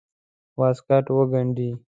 واسکټ وګنډي.